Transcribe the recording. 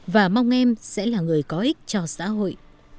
và mong em sẽ là người có ích cho xã hội